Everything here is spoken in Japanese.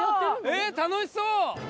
えっ楽しそう！